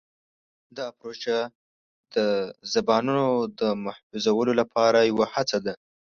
دا پروژه د زبانونو د محفوظولو لپاره یوه هڅه ده.